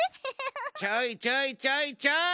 ・ちょいちょいちょいちょい！